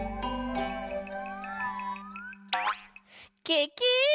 ケケ！